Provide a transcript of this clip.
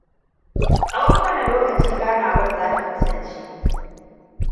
Tsawon wane lokaci ganawar zata kasance?